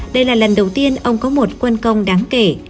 đây là lần đầu tiên ông có một quân công đáng kể